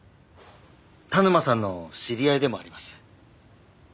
田沼さんの知り合いでもあります。